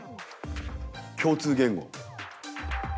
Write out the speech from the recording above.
共通言語。